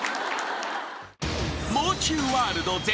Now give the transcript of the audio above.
［もう中ワールド全開］